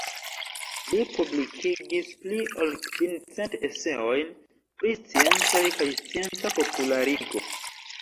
Li publikigis pli ol kvicent eseojn pri sciencoj kaj scienca popularigo.